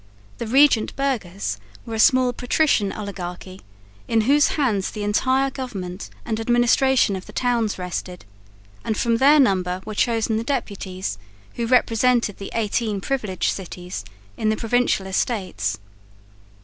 The regent burghers were a small patrician oligarchy, in whose hands the entire government and administration of the towns rested, and from their number were chosen the deputies, who represented the eighteen privileged cities in the Provincial Estates.